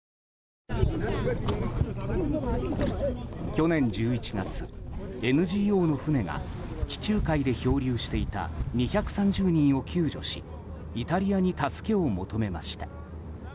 去年１１月、ＮＧＯの船が地中海で漂流していた２３０人を救助しイタリアに助けを求めました。